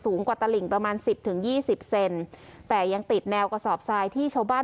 กว่าตลิงประมาณสิบถึงยี่สิบเซนแต่ยังติดแนวกระสอบทรายที่ชาวบ้าน